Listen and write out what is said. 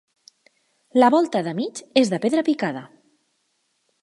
La volta de mig és de pedra picada.